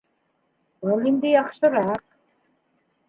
Был инде яҡшыраҡ